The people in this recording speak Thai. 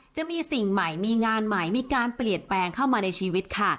จะมีสิ่งใหม่มีงานใหม่มีการเปลี่ยนแปลงเข้ามาในชีวิตค่ะ